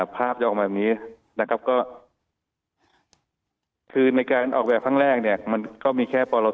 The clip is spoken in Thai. ภาพจะออกมาแบบนี้นะครับก็คือในการออกแบบครั้งแรกเนี่ยมันก็มีแค่ปรต